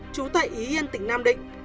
chủ tại yên yên tỉnh nam định